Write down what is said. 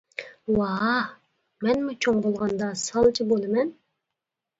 -ۋاھ، مەنمۇ چوڭ بولغاندا سالچى بولىمەن.